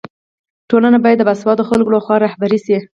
ټولنه باید د باسواده خلکو لخوا رهبري سي.